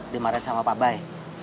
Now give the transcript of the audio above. demaren sama pabe